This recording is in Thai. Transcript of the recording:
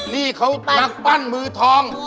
นี่เขานักปั้นมือทอง